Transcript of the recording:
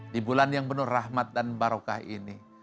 di bulan yang penuh rahmat dan barokah ini